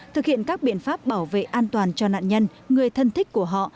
thực hiện các biện pháp bảo vệ an toàn cho nạn nhân người thân thích của họ